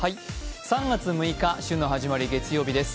３月６日、週の始まり、月曜日です。